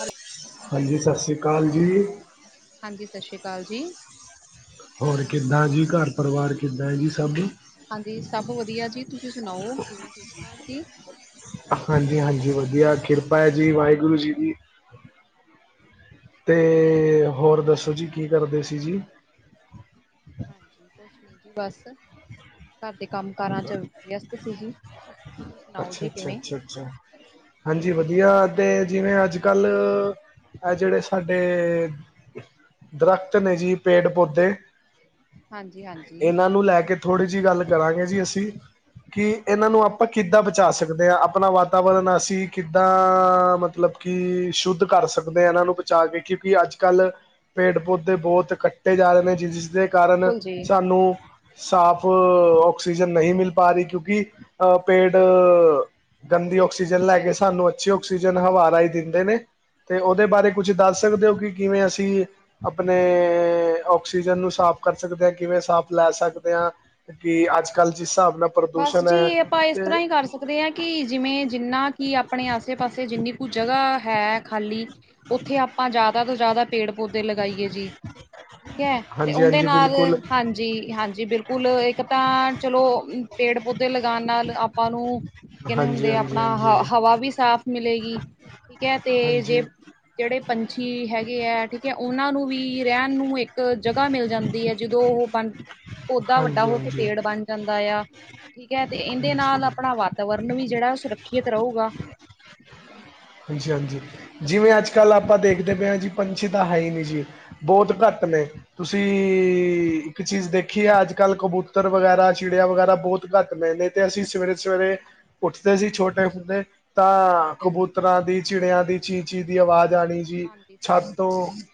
Hello. ਹਾਂਜੀ, ਸ਼ਸੀ ਅਕਾਲ ਜੀ। ਹਾਂਜੀ, ਸਸ਼੍ਰੀ ਅਕਾਲ ਜੀ। ਹੋਰ ਕਿੱਦਾਂ ਜੀ ਘਰ ਪਰਿਵਾਰ ਕਿੱਦਾਂ ਐ ਜੀ ਸਭ। ਹਾਂਜੀ, ਸਭ ਵਧੀਆ ਜੀ। ਤੁਸੀਂ ਸੁਣਾਓ ਕਿਵੇਂ, ਠੀਕ-ਠਾਕ ਜੀ। ਹਾਂਜੀ-ਹਾਂਜੀ, ਵਧੀਆ ਕਿਰਪਾ ਏ ਜੀ ਵਾਹਿਗੁਰੂ ਜੀ ਦੀ। ਤੇ, ਚਲੋ ਹੋਰ ਦੱਸੋ ਜੀ ਕੀ ਕਰਦੇ ਸੀ ਜੀ। ਹਾਂਜੀ, ਕੁਛ ਨੀ ਜੀ ਬਸ ਘਰ ਦੇ ਕੰਮ। ਕਾਰਾਂ ਚ ਵਿਅਸਤ ਸੀ ਜੀ। ਤੁਸੀਂ ਸੁਣਾਓ ਅੱਛਾ ਜੀ ਅੱਛਾ ਕਿਵੇਂ? ਅੱਛਾ ਅੱਛਾ। ਹਾਂਜੀ ਵਧੀਆ ਤੇ, ਜਿਵੇਂ ਅੱਜ-ਕੱਲ੍ਹ। ਇਹ ਜਿਹੜੇ ਸਾਡੇ ਦਰਖਤ ਨੇ ਜੀ ਪੇੜ-ਪੌਦੇ ਹਾਂਜੀ ਹਾਂਜੀ ਇਹਨਾਂ ਨੂੰ ਲੈ ਕੇ। ਥੋੜ੍ਹੀ ਜੀ ਗੱਲ ਕਰਾਂਗੇ ਜੀ ਅਸੀ। ਕਿ ਇਹਨਾਂ ਨੂੰ ਆਪਾਂ ਕਿੱਦਾਂ ਬਚਾ ਸਕਦੇ ਆ। ਆਪਣਾ ਵਾਤਾਵਰਨ ਅਸੀਂ ਕਿੱਦਾਂ ਮਤਲਬ ਕਿ ਸ਼ੁੱਧ ਕਰ ਸਕਦੇ ਆ ਕਿ ਇਹਨ੍ਹਾ ਨੂੰ ਬਚਾ ਕੇ ਕਿਉਂਕਿ ਅੱਜ-ਕੱਲ੍ਹ ਪੇੜ ਪੌਦੇ ਬਹੁਤ ਕੱਟੇ ਜਾ ਰਹੇ ਨੇ ਜਿਸ- ਜਿਸ ਜਿਸ ਦੇ ਕਾਰਨ ਬਿਲਕੁਲ ਜੀ ਸਾਨੂੰ ਸਾਫ ਆ ਔਕਸੀ ਔਕਸੀਜਨ ਨਹੀਂ ਪਾ ਰਹੀ ਕਿਉਂਕਿ ਪੇਟ ਗੰਦੀ ਔਕਸੀਜਨ ਲੈ ਹਾਂਜੀ ਹਾਂਜੀ ਕੇ ਹਾਂਜੀ ਸਾਨੂੰ ਅੱਛੀ ਆਕਸੀਜਨ ਹਵਾ ਰਾਹੀਂ ਦਿੰਦੇ ਨੇ, ਤੇ ਉਹਦੇ ਬਾਰੇ ਕੁਛ ਹਾਂਜੀ ਦੱਸ ਸਕਦੇ ਓ ਕਿ ਕਿਵੇਂ ਅਸੀਂ ਆਪਣੇ ਔਕਸੀਜਨ ਨੂੰ ਸਾਫ਼ ਕਰ ਸਕਦੇ ਆ ਸਾਫ਼ ਲੈ ਸਕਦੇ ਆ ਕਿ ਅੱਜ ਕੱਲ੍ਹ ਜਿਸ ਹਿਸਾਬ ਨਾਲ ਬਸ ਪ੍ਰਦੂਸ਼ਣ ਜੀ ਹੈ ਆਪਾਂ ਇਸ ਤੇ ਤਰ੍ਹਾਂ ਹੀ ਕਰ ਸਕ ਸਕਦੇ ਆ ਕਿ ਜਿਵੇਂ, ਜਿੰਨਾ ਕਿ ਆਪਣੇ ਆਸੇ ਪਾਸੇ ਜਿੰਨੀ ਕੁ ਜਗ੍ਹਾ ਹੈ ਖਾਲੀ ਉੱਥੇ ਆਪਾਂ ਜ਼ਿਆਦਾ ਤੋਂ ਜ਼ਿਆਦਾ ਪੇੜ ਪੌਦੇ ਲਗਾਈਏ ਜੀ। ਠੀਕ ਐ ਤੇ ਹਾਂਜੀ ਉਦੇ ਹਾਂਜੀ ਨਾਲ ਬਿਲਕੁਲ ਹਾਂਜੀ -ਹਾਂਜੀ, ਬਿਲਕੁਲ ਇੱਕ ਤਾਂ ਚਲੋ ਪੜੇ- ਪੌਦੇ ਲਗਾਣ ਨਾਲ ਆਪਾਂ ਨੂੰ ਕੀ ਕਹਿੰਦੇ ਹਾਂਜੀ ਹੁੰਦੇ ਆ ਹਾਂਜੀ ਆਪਣਾ ਹ ਹਾਂਜੀ ਹਵਾ ਵੀ ਸਾਫ਼ ਮਿਲੇਗੀ। ਠੀਕ ਐ ਤੇ ਜੇ ਹਾਂਜੀ ਜਿਹੜੇ ਪੰਛੀ ਹੈਗੇ ਐ ਠੀਕ ਕਿ ਉਹਨਾਂ ਨੂੰ ਵੀ ਰਹਿਣ ਨੂੰ ਇੱਕ ਜਗ੍ਹਾ ਮਿਲ ਜਾਂਦੀ ਐ ਜਦੋਂ ਉਹ ਬਣ ਪੌਦਾ ਵੱਡਾ ਹਾਂਜੀ ਹੋ ਕੇ ਹਾਂਜੀ ਪੇੜ ਬਣ ਜਾਂਦਾ ਆ। ਠੀਕ ਐ ਤੇ ਇਹਦੇ ਨਾਲ ਹਾਂਜੀ ਆਪਣਾ ਵਾਤਾਵਰਨ ਵੀ ਜਿਹੜਾ ਸੁਰੱਖਿਅਤ ਰਹੋ ਗਾ। [inaudible] ਹਾਂਜੀ -ਹਾਂਜੀ ਜਿਵੇਂ ਅੱਜ -ਕੱਲ ਆਪਾਂ ਦੇਖਦੇ ਪਏ ਆ ਜੀ ਪੰਛੀ ਤਾਂ ਹੈ ਹੀ ਨਹੀ ਜੀ ਬਹੁਤ ਘੱਟ ਨੇ ਤੁਸੀਂ ਇੱਕ ਚੀਜ਼ ਦੇਖੀ ਆ ਅੱਜ- ਕੱਲ ਕਬੂਤਰ ਵਗੈਰਾ, ਚਿੜਿਆ ਵਗੈਰਾ ਬਹੁਤ ਘੱਟ ਨੇ-ਨੇ ਤੇ ਅਸੀਂ ਸਵੇਰੇ -ਸਵੇਰੇ ਉੱਠਦੇ ਸੀ ਹਾਂਜੀ ਛੋਟੇ ਹੁੰਦੇ ਤਾਂ ਹਾਂਜੀ ਕਬੂਤਰਾਂ ਦੀ, ਚਿੜਿਆਂ ਦੀ ਚੀਂ- ਚੀਂ ਦੀ ਆਵਾਜ਼ ਆਣੀ ਆਂਦੀ ਸੀ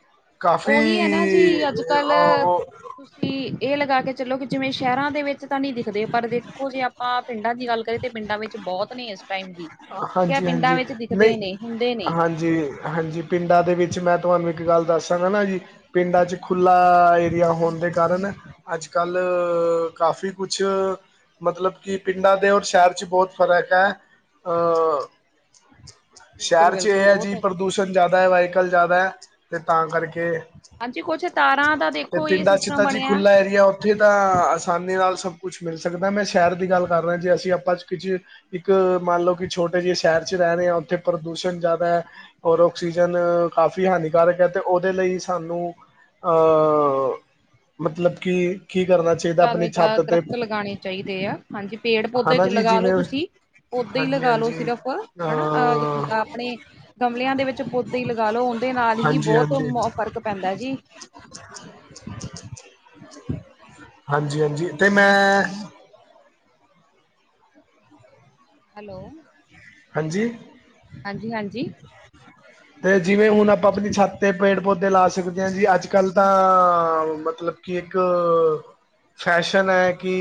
[inaudible] ਕਾਫੀ ਓਹੀ ਐ ਨਾ ਜੀ ਅੱਜ- ਅ ਕੱਲ੍ਹ ਉਹ ਤੁਸੀਂ ਇਹ ਲਗਾ ਕੇ ਚਲੋ ਕਿ ਜਿਵੇਂ ਸ਼ਹਿਰਾਂ ਦੇ ਵਿੱਚ ਉਹ ਤਾਂ ਨੀ ਦਿਖਦੇ ਪਰ ਦੇਖੋ ਜੇ ਆਪਾਂ ਪਿੰਡਾਂ ਦੀ ਗੱਲ ਕਰੀਏ ਤਾਂ ਪਿੰਡਾਂ ਵਿੱਚ ਬਹੁਤ ਨੇ ਇਸ ਟਾਈਮ ਵੀ ਠੀਕ ਹੈ ਹਾਂਜੀ- ਪਿੰਡਾਂ ਹਾਂਜੀ ਵਿੱਚ ਨਹੀਂ ਦਿਖਦੇ ਨੇ ਹੁੰਦੇ [inaudible] ਨੇ ਹਾਂਜੀ ਹਾਂਜੀ ਪਿੰਡਾਂ ਦੇ ਵਿੱਚ ਮੈਂ ਤੁਹਾਨੂੰ ਇੱਕ ਗੱਲ ਦੱਸਗਾ ਨਾ ਜੀ ਪਿੰਡਾਂ ਚ ਖੁੱਲ੍ਹਾ ਏਰੀਆ ਹੋਣ ਦੇ ਕਾਰਨ ਅੱਜ-ਕੱਲ੍ਹ ਕਾਫੀ ਕੁਛ ਮਤਲਬ ਕਿ ਪਿੰਡਾਂ ਦੇ ਔਰ ਸ਼ਹਿਰ 'ਚ ਬਹੁਤ ਫ਼ਰਕ ਐ ਅਹ [inaudible] ਬਿਲਕੁਲ ਸ਼ਹਿਰ ਚ ਇਹ ਐ ਬਿਲਕੁਲ ਆ ਉਹ ਜੀ ਤਾਂ ਪ੍ਰਦੂਸ਼ਣ ਜ਼ਿਆਦਾ ਵਾਈਕਲ ਜ਼ਿਆਦਾ ਐ ਤੇ ਤਾਂ ਕਰਕੇ ਹਾਂਜੀ ਕੁਛ ਤਾਰਾਂ ਦਾ ਤੇ ਦੇਖੋ ਇਹ ਪਿੰਡਾਂ ਚ ਸਿਸਟਮ ਤਾਂ ਜੀ ਬਣਿਆ ਖੁੱਲਾ ਏਰੀਆ ਉੱਥੇ ਤਾਂ ਆਸਾਨੀ ਨਾਲ ਸਭ ਕੁਛ ਮਿਲ ਸਕਦਾ ਮੈਂ ਸ਼ਹਿਰ ਦੀ ਗੱਲ ਕਰ ਰਿਹਾ ਜੀ ਅਸੀਂ ਆਪਾਂ 'ਚ ਕੁਝ ਇੱਕ ਮੰਨ ਲਓ ਕਿ ਛੋਟੇ ਜਿਹੇ ਸ਼ਹਿਰ ਚ ਰਹਿ ਰਹੇ ਆ ਉੱਥੇ ਪ੍ਰਦੂਸ਼ਣ ਜ਼ਿਆਦਾ ਐ ਔਰ ਆਕਸੀਜਨ ਕਾਫੀ ਹਾਨੀਕਾਰਕ ਐ ਅਤੇ ਉਹਦੇ ਲਈ ਸਾਨੂੰ ਆ ਮਤਲਬ ਕੀ, ਕੀ ਕਰਨਾ ਚਾਹੀਦਾ ਜ਼ਿਆਦਾ ਆਪਣੀ -ਜ਼ਿਆਦਾ ਛੱਤ ਤੇ ਦੱਰਖਤ ਲਗਾਣੇ ਚਾਹੀਦੇ ਆ ਹਾਂਜੀ ਪੇੜ ਪੌਦੇ ਹਨਾ ਚ ਜੀ ਲਗਾ ਲੋ ਜਿਵੇਂ ਤੁਸੀਂ ਓਦਾਂ ਹੀ ਹਾਂਜੀ ਲਗਾ ਲੋ ਹਾਂਜੀ ਸਿਰਫ਼ ਹਨਾ ਅਹ ਆਪਣੇ ਗਮਲਿਆਂ ਦੇ ਵਿੱਚ ਪੋਦੇ ਹੀ ਲਗਾ ਲੋ ਉਹਦੇ ਨਾਲ ਹੀ ਹਾਂਜੀ ਬਹੁਤ ਹਾਂਜੀ ਫ਼ਰਕ ਪੈਂਦਾ ਜੀ [inaudible] ਹਾਂਜੀ- ਹਾਂਜੀ ਤੇ ਮੈਂ ਹੈਲੋ! ਹਾਂਜੀ। ਹਾਂਜੀ -ਹਾਂਜੀ। ਤੇ ਜਿਵੇਂ ਹੁਣ ਆਪਾਂ ਆਪਣੀ ਛੱਤ ਤੇ ਪੇੜ ਪੌਦੇ ਲਾ ਸਕਦੇ ਹਾਂ ਜੀ ਅੱਜ -ਕੱਲ੍ਹ ਤਾਂ ਮਤਲਬ ਕਿ ਇੱਕ ਅਅ ਫੈਸ਼ਨ ਐ ਕਿ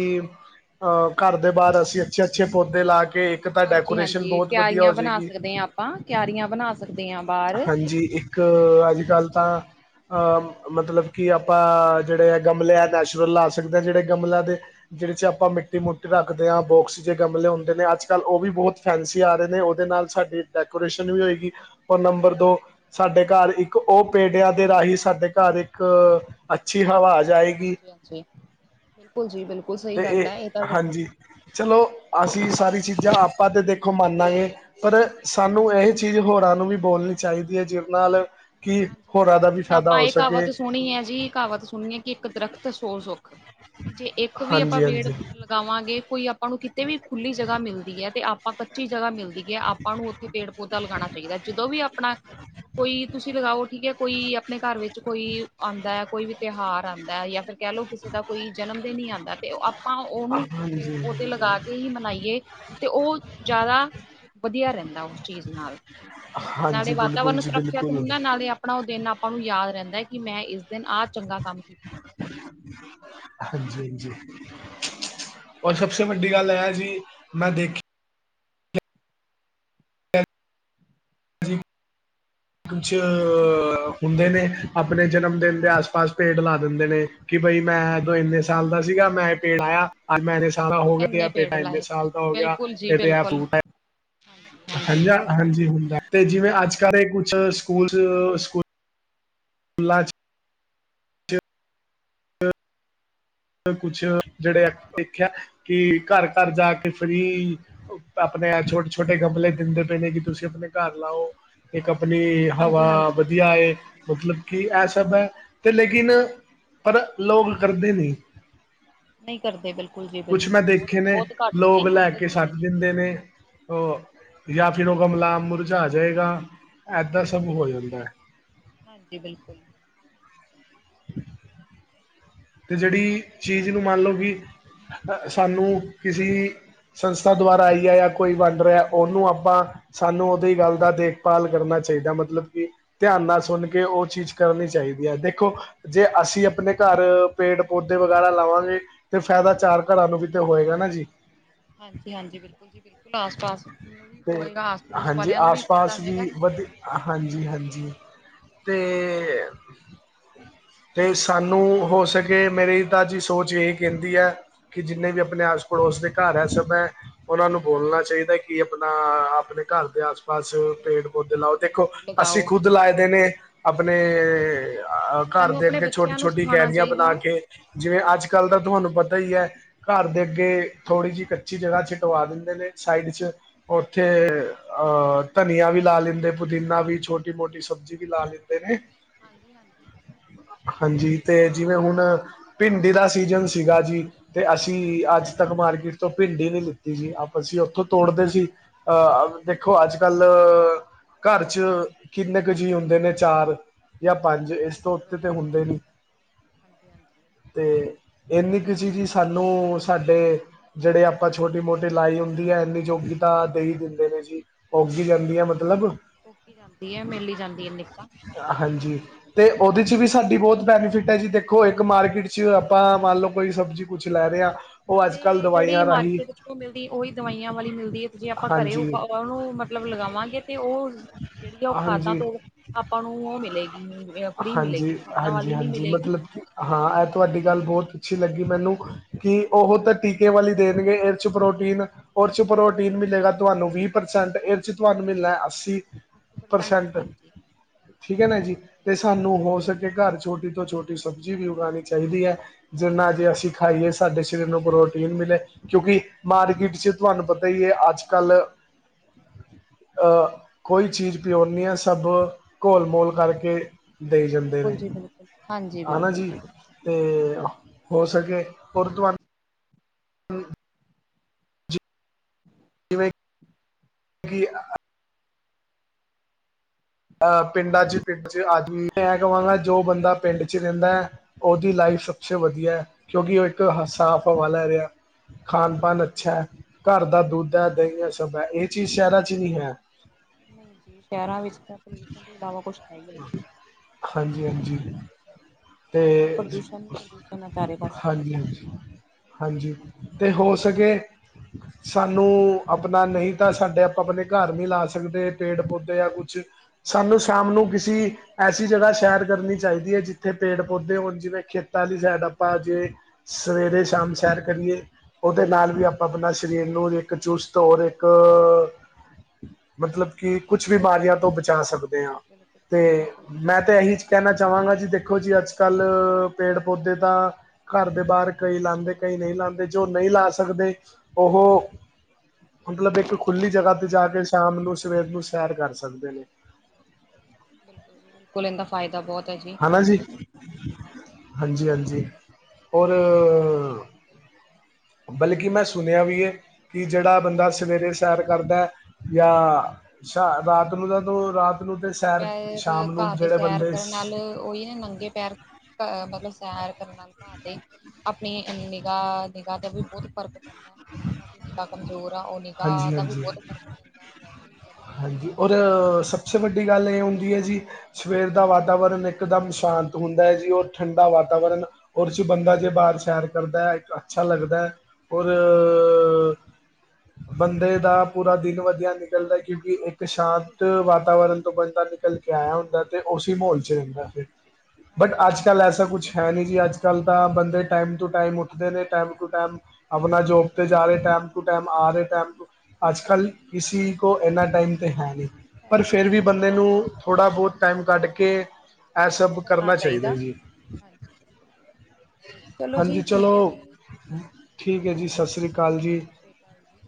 ਹਮ ਘਰ ਹਮ ਦੇ ਬਾਹਰ ਅਸੀਂ ਅੱਛੇ-ਅੱਛੇ ਪੌਦੇ ਲਾ ਕੇ ਤਾਂ ਡੈਕੋਰੇਸ਼ਨ ਹਾਂਜੀ-ਹਾਂਜੀ ਬਹੁਤ ਵਧੀਆ ਹੋ ਕਿਆਰੀਆਂ ਬਣਾ ਜਾਏਗੀ ਸਕਦੇ ਹਾਂ। ਆਪਾਂ ਕਿਆਰੀਆਂ ਬਣਾ ਸਕਦੇ ਹਾਂ ਬਾਹਰ ਹਾਂਜੀ, ਇੱਕ ਹਾਂਜੀ ਅੱਜ-ਕੱਲ੍ਹ ਤਾਂ ਅਹ-‌- ਮਤਲਬ ਕਿ ਆਪਾਂ ਜਿਹੜੇ ਆ ਗਮਲੇ ਆ ਨੈਚੁਰਲ ਲਾ ਸਕਦੇ ਹਾਂ ਜਿਹੜੇ ਗਮਲਿਆ ਦੇ ਜਿਹੜੇ ਚ ਆਪਾਂ ਮਿੱਟੀ-ਮੂਟੀ ਰੱਖਦੇ ਹਾਂ ਬੋਕਸ ਜੇ ਗਮਲੇ ਹੁੰਦੇ ਨੇ। ਅੱਜ-ਕੱਲ੍ਹ ਉਹ ਵੀ ਬਹੁਤ ਫੈਂਸੀ ਆ ਰਹੇ ਨੇ, ਉਹਦੇ ਨਾਲ ਸਾਡੀ ਡੈਕੋਰੇਸ਼ਨ ਵੀ ਹੋਏਗੀ। ਔਰ ਨੰਬਰ ਦੋ ਸਾਡੇ ਘਰ ਇੱਕ ਉਹ ਪੇਡਿਆਂ ਦੇ ਰਾਹੀਂ ਸਾਡੇ ਘਰ ਇੱਕ ਅੱਛੀ ਹਵਾ ਆ ਜਾਏ। ਹਾਂਜੀ-ਹਾਂਜੀ ਬਿਲਕੁਲ ਜੀ ਬਿਲਕੁਲ ਤੇ ਸਹੀ ਗੱਲ ਏ ਇਹ ਤਾਂ। ਹਾਂਜੀ ਚਲੋ, ਅਸੀਂ ਸਾਰੀ ਚੀਜ਼ਾਂ ਆਪਾਂ ਤਾਂ ਦੇਖੋ ਮੰਨ ਲਾਗੇ। ਪਰ ਸਾਨੂੰ ਇਹ ਚੀਜ਼ ਹੋਰਾਂ ਨੂੰ ਵੀ ਬੋਲਣੀ ਚਾਹੀਦੀ ਏ ਜਿਹਦੇ ਨਾਲ ਕਿ ਹੋਰਾਂ ਦਾ ਹਾਂਜੀ-ਹਾਂਜੀ। ਵੀ ਹੁਣ ਫਾਇਦਾ ਆਪਾਂ ਹੋ ਇਹ ਸਕੇ ਕਹਾਵਤ ਸੁਣੀ ਏ ਜੀ ਇਹ ਕਹਾਵਤ ਸੁਣੀਏ ਕਿ ਇੱਕ ਦਰਖਤ ਸੋ ਸੁੱਖ ਵੀ ਜੇ ਇੱਕ ਵੀ ਆਪਾਂ ਹਾਂਜੀ ਪੇੜ ਹਾਂਜੀ ਲਗਾਵਾਂਗੇ ਕੋਈ ਆਪ- ਆਪਾਂ ਨੂੰ ਕਿਤੇ ਵੀ ਖੁੱਲੀ ਜਗ੍ਹਾ ਮਿਲਦੀ ਏ ਤੇ ਆਪਾਂ ਕੱਚੀ ਜਗ੍ਹਾ ਮਿਲਦੀ ਹੈ ਆਪਾਂ ਨੂੰ ਉੱਥੇ ਪੇੜ- ਪੌਦਾ ਲਗਾਣਾ ਚਾਹੀਦਾ। ਜਦੋਂ ਵੀ ਆਪਣਾ ਕੋਈ ਤੁਸੀ ਲਗਾਓ ਠੀਕ ਏ। ਕੋਈ ਆਪਣੇ ਘਰ ਵਿੱਚ ਕੋਈ ਆਂਦਾ ਕੋਈ ਵੀ ਤਿਉਹਾਰ ਆਂਦਾ ਜਾਂ ਫਿਰ ਕਹਿ ਲਓ ਕਿਸੇ ਦਾ ਕੋਈ ਜਨਮ ਦਿਨ ਈ ਆਂਦਾ ਤੇ ਉਹ ਆਪਾਂ ਉਹਨੂੰ ਹਾਂਜੀ ਪੇੜ-ਪੌਦੇ ਲਗਾ ਕੇ ਇਹੀ ਮਨਾਈਏ ਤੇ ਉਹ ਜ਼ਿਆਦਾ ਵਧੀਆ ਰਹਿੰਦਾ ਉਸ ਚੀਜ਼ ਨਾਲ। ਨਾਲੇ ਹਾਂਜੀ ਬਿਲਕੁਲ ਵਾਤਾਵਰਨ ਜੀ ਸੁਰੱਖ- ਬਿਲਕੁਲ ਉਹਨਾਂ ਨਾਲ ਹੀ ਆਪਣਾ ਉਹ ਦਿਨ ਆਪਾਂ ਨੂੰ ਯਾਦ ਰਹਿੰਦਾ ਕਿ ਮੈਂ ਇਸ ਦਿਨ ਆਹ ਚੰਗਾ ਕੰਮ ਕੀਤਾ। ਹਾਂਜੀ-ਹਾਂਜੀ। ਔਰ ਸਭਸੇ ਵੱਡੀ ਗੱਲ ਇਹ ਜੀ, ਮੈਂ ਦੇਖਿਆ ਹਾਂਜੀ। ਕੁਛ, ਹੁੰਦੇ ਨੇ। ਆਪਣੇ ਜਨਮ ਦਿਨ ਦੇ ਆਸ-ਪਾਸ ਪੇੜ ਲਾ ਦਿੰਦੇ ਨੇ। ਕਿ ਬਈ ਮੈਂ ਉਦੋ ਇੰਨੇ ਸਾਲ ਦਾ ਸੀਗਾ ਮੈਂ ਪੇੜ ਲਾਇਆ। ਅੱਜ ਮੈਂ ਇੰਨੇ ਸਾਲ ਦਾ ਹੋ ਗਿਆ, ਤੇ ਇੰਨੇ ਆਹ ਪੇੜ ਬੇਟਾ ਇੰਨੇ ਲਾਏ ਸਾਲ ਦਾ ਹੋ ਗਿਆ। ਬਿਲਕੁਲ ਜੀ ਇਹ ਤੇ ਆਹ ਬਿਲਕੁਲ ਬੂਟਾ ਹਾਂਜੀ ਹਾਂਜੀ-ਹਾਂਜੀ ਹੁੰਦਾ ਤੇ ਜਿਵੇਂ ਅੱਜ-ਕੱਲ੍ਹ ਇਹ ਕੁਛ ਸਕੂਲ 'ਚ [unintelligible] ਕੁਛ, ਜਿਹੜੇ ਆ ਦੇਖਿਆ ਕਿ ਘਰ-ਘਰ ਜਾ ਕੇ ਫਰੀ ਆਪਣੇ ਅਹ ਛੋਟੇ-ਛੋਟੇ ਗਮਲੇ ਦਿੰਦੇ ਪਏ ਨੇ ਕਿ ਤੁਸੀਂ ਆਪਣੇ ਘਰ ਲਾਓ, ਇੱਕ ਆਪਣੀ ਹਵਾ ਹਾਂਜੀ ਹਾਂਜੀ ਵਧੀਆ ਏ। ਕਿ ਇਹ ਸਭ ਏ ਤੇ ਲੇਕਿਨ, ਪਤਾ ਲੋਕ ਕਰਦੇ ਨਹੀਂ। ਨਹੀਂ ਕਰਦੇ ਬਿਲਕੁਲ। ਜੀ ਕੁਛ ਬਿਲਕੁਲ ਮੈਂ ਬਹੁਤ ਦੇਖੇ ਨੇ, ਬਹੁਤ ਘੱਟ ਨੇ ਲੋਕ ਲੈ ਜਿਹੜੇ ਕੇ ਕਰਦੇ ਛੱਡ ਦਿੰਦੇ ਨੇ। ਜਾਂ ਫਿਰ ਉਹ ਗਮਲਾ ਮੁਰਝਾ ਜਾਏਗਾ, ਏਦਾਂ ਸਭ ਹੋ ਜਾਂਦਾ ਐ। ਹਾਂਜੀ ਬਿਲਕੁਲ। ਤੇ ਜਿਹੜੀ, ਚੀਜ਼ ਨੂੰ ਮੰਨ ਲਓ ਕਿ, ਸਾਨੂੰ ਕਿਸੀ ਸੰਸਥਾ ਦੁਆਰਾ ਆਈ ਆ ਜਾਂ ਕੋਈ ਵੰਡ ਰਿਹਾ ਉਹਨੂੰ ਆਪਾਂ ਸਾਨੂੰ ਉਹਦੀ ਗੱਲ ਦਾ ਦੇਖਭਾਲ ਕਰਨਾ ਚਾਹੀਦਾ ਮਤਲਬ ਕੀ ਧਿਆਨ ਨਾਲ ਸੁਣ ਕੇ ਉਹ ਚੀਜ਼ ਕਰਨੀ ਚਾਹੀਦੀ ਏ। ਦੇਖੋ, ਜੇ ਅਸੀਂ ਆਪਣੇ ਘਰ ਪੇੜ-ਪੌਦੇ ਵਗੈਰਾ ਲਾਵਾਂਗੇ ਤੇ ਫਾਇਦਾ ਚਾਰ ਘਰਾਂ ਨੂੰ ਵੀ ਤੇ ਹੋਏਗਾ ਨਾ ਜੀ। ਹਾਂਜੀ-ਹਾਂਜੀ। ਬਿਲਕੁਲ ਜੀ ਬਿਲਕੁਲ ਆਸ ਪਾਸ ਨੂੰ ਵੀ ਤੇ ਹੋਏਗਾ, ਆਸ ਪੜੋਸ ਵਾਲਿਆਂ ਨੂੰ ਵੀ ਫਾਇਦਾ ਹੈਗਾ। ਹਾਂਜੀ-ਹਾਂਜੀ ਤੇ ਹਮ ਤੇ ਸਾਨੂੰ ਹੋ ਸਕੇ ਮੇਰੀ ਤਾਂ ਜੀ ਸੋਚ ਇਹਹੀ ਕਹਿੰਦੀ ਐ। ਕਿ ਜਿੰਨੇ ਵੀ ਆਪਣੇ ਆਸ ਪੜੋਸ ਦੇ ਘਰ ਹੈ ਸਭ, ਉਹਨਾਂ ਨੂੰ ਬੋਲਣਾ ਚਾਹੀਦਾ ਕਿ ਆਪਣਾ, ਆਪਣੇ ਘਰ ਦੇ ਆਸ- ਪਾਸ ਬੱਸ, ਆਪਣੇ ਘਰ ਪੇੜ ਪੌਦੇ ਲਾਓ ਹਾਂਜੀ ਦੇਖੋ, ਹਾਂਜੀ ਅਸੀਂ ਲਗਾਓ ਖ਼ੁਦ ਲਾਏ ਦੇ ਨੇ ਆਪਣੇ ਅਹ, ਘਰ ਸਾਨੂੰ ਦੇ ਆਪਣੇ ਅੱਗੇ ਛੋਟੀ- ਬੱਚਿਆਂ ਨੂੰ ਛੋਟੀ ਸਿਖਾਉਣਾ ਕੈਰੀਆਂ ਚਾਹੀਦਾ। ਬਣਾ ਕੇ, ਜਿਵੇਂ ਹਾਂਜੀ ਅੱਜ-ਕੱਲ ਦਾ ਹਾਂਜੀ ਤੁਹਾਨੂੰ ਪਤਾ ਹੀ ਐ। ਘਰ ਦੇ ਅੱਗੇ ਥੋੜ੍ਹੀ ਜਿਹੀ ਕੱਚੀ ਜਗ੍ਹਾ ਛਡਵਾ ਦਿੰਦੇ ਨੇ ਸਾਈਡ 'ਚ' ਉੱਥੇ ਅਹ, ਧਨੀਆ ਵੀ ਲਾ ਲੈਂਦੇ, ਪੁਦੀਨਾ ਵੀ, ਛੋਟੀ-ਮੋਟੀ ਸਬਜ਼ੀ ਵੀ ਲਾ ਲੈਂਦੇ।' ' [unintelligible] ਹਾਂਜੀ-ਹਾਂਜੀ। ਹਾਂਜੀ ਤੇ ਜਿਵੇਂ ਹੁਣ ਭਿੰਡੀ ਦਾ ਸੀਜਨ ਸੀਗਾ ਜੀ, ਤੇ ਅਸੀਂ ਅੱਜ ਤੱਕ ਮਾਰਕੀਟ ਤੋਂ ਭਿੰਡੀ ਨੀ ਲਿੱਤੀ ਜੀ ਅਸੀਂ ਉੱਥੋਂ ਤੋੜਦੇ ਸੀ, ਅਹ, ਦੇਖੋ ਅੱਜ-ਕੱਲ੍ਹ ਘਰ 'ਚ' ਕਿੰਨੇ ਕ ਜੀ ਹੁੰਦੇ ਨੇ ਚਾਰ। ਜਾਂ ਪੰਜ ਇਸ ਤੋਂ ਬਿਲਕੁਲ ਉੱਤੇ ਤਾਂ ਬਿਲਕੁਲ ਹੁੰਦੇ ਨੀ। ਹਾਂਜੀ ਹਾਂਜੀ ਹਾਂਜੀ ਤੇ ਇੰਨੀ ਕ ਸੀ ਜੀ ਸਾਨੂੰ ਸਾਡੇ, ਜਿਹੜੇ ਆਪਾਂ ਛੋਟੀ ਮੋਟੇ ਲਾਈ ਹੁੰਦੀ ਐ, ਇੰਨੀ ਜੋਗੀ ਤਾਂ ਦੇਈ ਦਿੰਦੇ ਨੇ ਜੀ, ਉਗ ਹੀ ਜਾਂਦੀ ਆ ਮਤਲਬ। ਉੱਗ ਹੀ ਜਾਂਦੀ ਐ, ਮਿਲ ਜਾਂਦੀ ਆ ਇੰਨੀ ਕੁਝ ਤਾਂ। ਹਾਂਜੀ। ਤੇ ਉਹਦੇ 'ਚ' ਵੀ ਸਾਡੀ ਬਹੁਤ ਬੈਨੀਫਿਟ ਹੈ ਜੀ ਦੇਖੋ ਇੱਕ ਮਾਰਕੀਟ 'ਚ' ਆਪਾਂ ਮੰਨ ਲਓ ਕੋਈ ਸਬਜ਼ੀ ਕੁਛ ਲੈ ਰਹੇ ਆ, ਉਹ ਅੱਜ-ਕੱਲ੍ਹ ਨਾਲੇ ਜਿਹੜੀ ਦਵਾਈਆਂ ਰਾਹੀਂ ਮਾਰਕੀਟ ਚੋਂ ਮਿਲਦੀ ਉਹੀ ਦਵਾਈਆਂ ਵਾਲੀ ਮਿਲਦੀ ਹੈ ਤੇ ਜੇ ਆਪਾਂ ਘਰੇ ਉਪ ਹਾਂਜੀ ਉਹਨੂੰ ਮਤਲਬ ਲਗਾਵਾਂਗੇ ਤੇ ਉਹ ਜਿਹੜੀ ਆ ਉਹ ਖਾਦਾਂ ਹਾਂਜੀ ਤੋਂ ਆਪਾਂ ਨੂੰ ਉਹ ਮਿਲੇਗੀ, ਫ੍ਰੀ ਮਿਲੇਗੀ ਹਾਂਜੀ ਖਾਦਾ ਹਾਂਜੀ ਵਾਲੀ ਨਹੀਂ ਹਾਂਜੀ ਮਿਲੇਗੀ। ਮਤਲਬ ਕਿ ਹਾਂ, ਇਹ ਤੁਹਾਡੀ ਗੱਲ ਬਹੁਤ ਅੱਛੀ ਲੱਗੀ ਮੈਨੂੰ। ਕਿ ਉਹ ਤਾਂ ਟੀਕੇ ਵਾਲੀ ਦੇਣਗੇ ਇਹਦੇ 'ਚ' ਪ੍ਰੋਟੀਨ ਉਹਦੇ 'ਚ' ਪ੍ਰੋਟੀਨ ਮਿਲੇਗਾ ਤੁਹਾਨੂੰ ਵੀਹ ਪ੍ਰਸੈਂਟ ਇਹਦੇ 'ਚ' ਤੁਹਾਨੂੰ ਮਿਲਣਾ ਅੱਸੀ ਅੱਸੀ ਪ੍ਰਸੈਂਟ, ਹਾਂਜੀ। ਠੀਕ ਹੈ ਨਾ ਜੀ, ਬਿਲਕੁਲ ਤੇ ਸਾਨੂੰ ਬਹੁਤ ਹੋ ਫ਼ਰਕ ਸਕੇ ਘਰ ਛੋਟੀ ਤੋਂ ਛੋਟੀ ਸਬਜ਼ੀ ਵੀ ਉਗਾਣੀ ਚਾਹੀਦੀ ਐ, ਜਿੰਨਾ ਜੇ ਅਸੀਂ ਖਾਈਏ ਸਾਡੇ ਸਰੀਰ ਨੂੰ ਪ੍ਰੋਟੀਨ ਮਿਲੇ ਕਿਉਂਕਿ ਮਾਰਕੀਟ 'ਚ' ਤੁਹਾਨੂੰ ਪਤਾ ਹੀ ਐ, ਅੱਜ-ਕੱਲ੍ਹ, ਅਹ ਕੋਈ ਚੀਜ਼ ਪਿਓਨੀਆਂ ਸਭ ਘੋਲ-ਮੋਲ ਕਰਕੇ ਦਈ ਜਾਂਦੇ ਬਿਲਕੁਲ ਨੇ, ਜੀ ਬਿਲਕੁਲ ਹਾਂਜੀ ਹਨਾ ਬਿਲਕੁਲ ਜੀ। ਬਿਲਕੁਲ ਤੇ, ਹੋ ਸਕੇ, ਔਰ ਤੁਹਾਨੂੰ ' [unintelligible] ' [inaudible] ਜਿਵੇਂ ' [inaudible] ' ਕਿ ਅਹ, ਪਿੰਡਾਂ 'ਚ' ਪਿੰਡ 'ਚ' ਆਦਮੀ ਮੈਂ ਕਹਾਂਗਾ ਜੋ ਬੰਦਾ ਪਿੰਡ 'ਚ' ਰਹਿੰਦਾ। ਉਹਦੀ ਲਾਈਫ ਸਭਸੇ ਵਧੀਆ, ਕਿਉਂਕਿ ਇੱਕ ਸਾਫ ਹਵਾ ਲੈ ਰਿਹਾ। ਖਾਣ-ਪਾਨ ਬਿਲਕੁਲ ਜੀ ਅੱਛਾ, ਘਰ ਦਾ ਦੁੱਧ ਹੈ, ਦਹੀਂਆਂ ਸਭ ਹੈ ਇਹ ਚੀਜ਼ ਸ਼ਹਿਰਾਂ 'ਚ' ਨੀ ਹੈ। ਨਹੀਂ ਜੀ, ਸ਼ਹਿਰਾਂ ਵਿੱਚ ਤਾਂ ਪੋਲਿਊਸ਼ਨ ਤੋਂ ਇਲਾਵਾ ਕੁਛ ਹੈ ਈ ਨਹੀਂ ਜੀ। ਹਾਂਜੀ-ਹਾਂਜੀ। ਸਿਰਫ ਤੇ, ਪ੍ਰਦੂਸ਼ਣ ਹੀ ਪ੍ਰਦੂਸ਼ਣ ਹੈ ਚਾਰੇ ਪਾਸੇ ਹਾਂਜੀ-ਹਾਂਜੀ। ਹਾਂਜੀ, ਤੇ ਹੋ ਸਕੇ, ਸਾਨੂੰ ਆਪਣਾ ਨਹੀਂ ਤਾਂ ਸਾਡੇ ਆਪਾਂ ਆਪਣੇ ਘਰ ਨਹੀਂ ਲਾ ਸਕਦੇ ਪੇੜ ਪੌਦੇੇ ਜਾਂ ਕੁਛ ਸਾਨੂੰ ਸ਼ਾਮ ਨੂੰ ਕਿਸੀ ਐਸੀ ਜਗ੍ਹਾ ਸ਼ਹਿਰ ਕਰਨੀ ਚਾਹੀਦੀ ਐ ਜਿੱਥੇ ਪੇੜ ਪੌਦੇ ਹੋਣ ਜਿਵੇਂ ਖੇਤਾਂ ਵਾਲੀ ਸਾਈਡ ਆਪਾਂ ਜੇ ਸਵੇਰੇ, ਸਾਮ ਸੈਰ ਕਰੀਏ। ਉਹਦੇ ਨਾਲ ਵੀ ਆਪਾਂ, ਆਪਣਾ ਸਰੀਰ ਨੂੰ ਇੱਕ ਚੁਸਤ ਔਰ ਇੱਕ ਮਤਲਬ ਕਿ ਕੁਛ ਬਿਮਾਰੀਆਂ ਤੋਂ ਹਾਂਜੀ ਬਚਾ ਹਾਂਜੀ ਸਕਦੇ ਆ ਬਿਲਕੁਲ ਤੇ ਬਿਲਕੁਲ ਜੀ ਮੈਂ ਬਿਲਕੁਲ ਇਹੀ ਕਹਿਣਾ ਚਾਹਵਾਂਗਾ ਜੀ ਦੇਖੋ ਜੀ ਅੱਜ ਕੱਲ੍ਹ ਪੇੜ ਪੌਦੇ ਤਾਂ ਘਰ ਦੇ ਬਾਹਰ ਕਈ ਲਾਂਦੇ ਕਈ ਨਹੀਂ ਲਾਂਦੇ ਜੋ ਨਹੀਂ ਲਾ ਸਕਦੇ ਉਹੋ ਮਤਲਬ ਇੱਕ ਖੁੱਲੀ ਜਗ੍ਹਾ ਤੇ ਜਾ ਕੇ ਸ਼ਾਮ ਨੂੰ ਸਵੇਰ ਨੂੰ ਸੈਰ ਕਰ ਸਕਦੇ ਨੇ। ਬਿਲਕੁਲ ਜੀ ਬਿਲਕੁਲ ਇਹਦਾ ਫਾਇਦਾ ਬਹੁਤ ਐ ਜੀ। ਹਨਾ ਜੀ, ਹਾਂਜੀ ਹਾਂਜੀ ਬਿਲਕੁਲ ਜੀ ਹਾਂਜੀ-ਹਾਂਜੀ ਬਿਲਕੁਲ ਔਰ ਬਲਕਿ ਮੈਂ ਸੁਣਿਆ ਵੀ ਐ ਕਿ ਜਿਹੜਾ ਬੰਦਾ ਸਵੇਰੇ ਸੈਰ ਕਰਦਾ ਜਾਂ ਸ਼ ਰਾਤ ਨੂੰ ਰਾਤ ਨੂੰ ਤੇ ਨੰਗੇ ਸੈਰ ਪੈਰ ਸ਼ਾਮ ਨੂੰ ਘਾਹ ਤੇ ਜਿਹੜੇ ਸੈਰ ਬੰਦੇ ਸ ਕਰਨ ਨਾਲ ਉਹੀ ਨੇ ਨੰਗੇ ਪੈਰ [inaudible] ਅ ਮਤਲਬ ਸੈਰ ਕਰਨ ਨਾਲ ਪਾ ਦੇ ਆਪਣੀ ਨੀਗਾ ਨਿਗਾਹ ਤੇ ਵੀ ਬਹੁਤ ਫਰਕ ਪੈਂਦਾ ਜਿਨਾਂ ਦੀ ਨਿਗਾਹ ਕਮਜ਼ੋਰ ਆ ਉਹ ਨਿਗਾਹ ਹਾਂਜੀ ਦਾ ਵੀ ਹਾਂਜੀ ਬਹੁਤ ਫਰਕ ਪੈਂਦਾ। ਵੈਸੇ ਵੀ ਵੱਧ‌ ਦੀ ਆ ਨੀ ਤਾਂ ਤੇ ਸਭ ਸੇ ਵੱਡੀ ਗੱਲ ਇਹ ਹੁੰਦੀ ਹੈ ਜੀ ਸਵੇਰ ਦਾ ਵਾਤਾਵਰਨ ਇੱਕਦਮ ਸ਼ਾਂਤ ਹੁੰਦਾ ਐ ਜੀ ਔਰ ਠੰਡਾ ਵਾਤਾਵਰਨ ਔਰ ਚ ਬੰਦਾ ਜੇ ਬਾਰ ਸੈਰ ਕਰਦਾ ਅੱਛਾ ਲੱਗਦਾ ਐ ਔਰ ਹਾਂਜੀ। ਬੰਦੇ ਦਾ ਪੂਰਾ ਦਿਨ ਵਧੀਆ ਨਿਕਲਦਾ ਕਿਉਂਕਿ ਇੱ ਤੇ ਬਿਲਕੁਲ ਸ਼ਾਂਤ ਜੀ ਬਿਲਕੁਲ ਵਾਤਾਵਰਨ ਤੋਂ ਬੰਦਾ ਨਿਕਲ ਕੇ ਆਇਆ ਹੁੰਦਾ ਤੇ ਉਸ ਹੀ ਮਾਹੌਲ ਚ ਰਹਿੰਦਾ ਫਿਰ। ਹਾਂਜੀ ਬਟ ਬਿਲਕੁਲ ਅੱਜ ਕੱਲ੍ਹ ਐਸਾ ਕੁਛ ਹੈ ਨੀ ਜੀ ਅੱਜ ਕੱਲ ਤਾਂ ਬੰਦੇ ਟਾਈਮ ਟੂ ਟਾਈਮ ਉੱਠਦੇ ਨੇ ਟੈਮ ਟੂ ਟਾਈਮ ਆਪਣਾ ਜੋਬ ਤੇ ਜਾ ਰਹੇ ਟਾਈਮ ਟੂ ਟਾਈਮ ਆ ਰਹੇ ਟੈਮ ਟੂ ਅੱਜ ਕੱਲ੍ਹ ਕਿਸੀ ਕੋਲ ਇੰਨਾ ਟਾਈਮ 'ਤੇ ਹੈ ਨਹੀਂ। ਪਰ ਹੈ ਨਹੀਂ ਫਿਰ ਜੀ ਵੀ ਬਿਲਕੁਲ ਬੰਦੇ ਨੂੰ ਥੋੜ੍ਹਾ ਬਹੁਤ ਟਾਈਮ ਕੱਢ ਕੇ ਕਰਨਾ ਚਾਹੀਦਾ ਹਾਂਜੀ ਬਿਲਕੁਲ ਬਿਲਕੁ ਚਲੋ ਹਾਂਜੀ ਜੀ ਠੀਕ ਐ ਚਲੋ ਜੀ। ਠੀਕ ਏ ਜੀ ਸਸ ਸ਼੍ਰੀ ਕਾਲ ਜੀ। [unintelligible] ਕਾਲ ਜੀ।